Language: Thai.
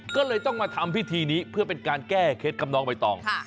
ก็เลยต้องมาทำพิธีนี้เพื่อเป็นการแก้เคล็ดครับน้องใบตอง